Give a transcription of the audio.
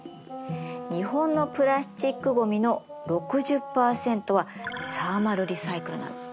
日本のプラスチックごみの６０％はサーマルリサイクルなの。